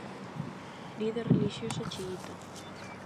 Líder relixioso chiíta.